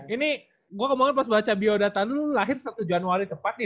ini gue kemarin pas baca biodata lo lahir satu januari tepat nih dua ribu dua